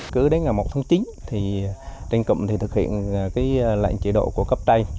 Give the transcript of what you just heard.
cứ đến ngày một tháng chín trinh cụm thực hiện lãnh chế độ của cấp tay